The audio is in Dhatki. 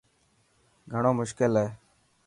گھڻو مشڪل هي.